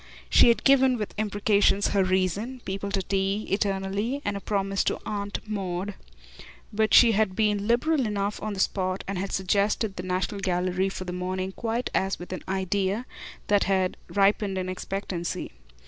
She had given, with imprecations, her reason people to tea, eternally, and a promise to Aunt Maud; but she had been liberal enough on the spot and had suggested the National Gallery for the morning quite as with an idea that had ripened in expectancy.